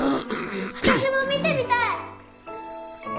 わたしもみてみたい！